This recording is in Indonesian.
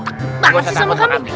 takut banget sih sama kambing